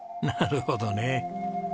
なるほどね。